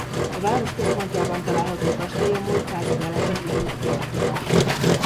A város központjában található kastély a múlt század elején került kialakításra.